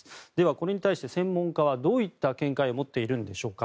これに対して専門家はどういった見解を持っているんでしょうか。